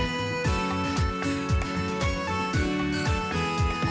งานอยู่ที่นี่นี่นะครับ